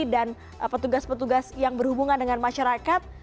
dan petugas petugas yang berhubungan dengan masyarakat